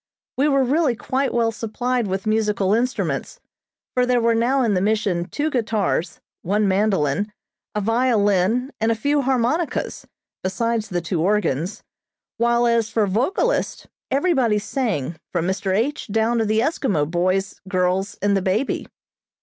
We were really quite well supplied with musical instruments, for there were now in the Mission two guitars, one mandolin, a violin and a few harmonicas, besides the two organs, while as for vocalists everybody sang from Mr. H. down to the Eskimo boys, girls and the baby.